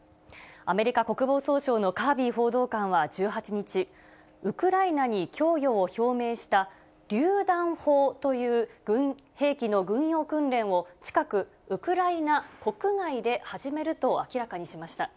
アメリカ国防総省のカービー報道官は１８日、ウクライナに供与を表明した、りゅう弾砲という兵器の軍用訓練を、近く、ウクライナ国外で始めると明らかにしました。